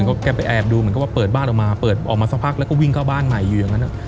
ก็แกไปแอบดูเหมือนกับว่าเปิดบ้านออกมาเปิดออกมาสักพักแล้วก็วิ่งเข้าบ้านใหม่อยู่อย่างนั้น